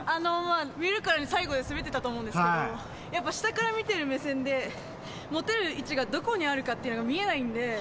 見るからに、最後で滑ってたと思うんですけど、やっぱ、下から見てる目線で持てる位置がどこにあるかっていうのが見えないんで。